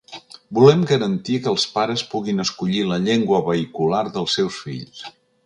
Volem garantir que els pares puguin escollir la llengua vehicular dels seus fills.